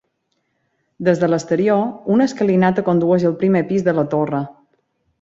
Des de l'exterior, una escalinata condueix al primer pis de la torre.